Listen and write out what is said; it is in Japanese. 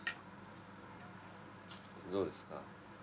どうですか？